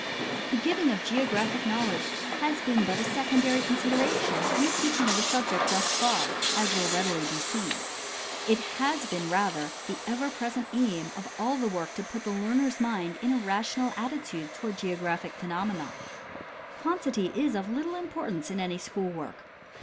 The giving of geographic knowledge has been but a secondary consideration in the teaching of the subject thus far, as will be readily seen. It has been, rather, the ever present aim of all the work to put the learner's mind in a rational attitude toward geographic phenomena. Quantity is of little importance in any school work.